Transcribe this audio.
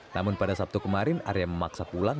namun pada sabtu kemarin arya memaksa pulang